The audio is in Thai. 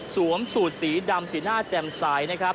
สูตรสีดำสีหน้าแจ่มใสนะครับ